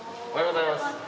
おはようございます。